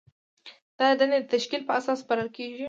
دا دندې د تشکیل په اساس سپارل کیږي.